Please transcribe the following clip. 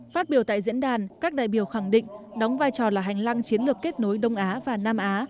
phát biểu tại diễn đàn các đại biểu khẳng định đóng vai trò là hành lang chiến lược kết nối đông á và nam á